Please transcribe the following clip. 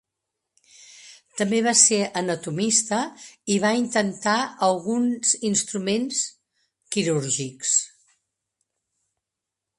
També va ser anatomista i va intentar alguns instruments quirúrgics.